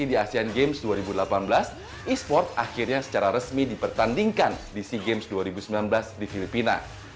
di asean games dua ribu delapan belas e sport akhirnya secara resmi dipertandingkan di sea games dua ribu sembilan belas di filipina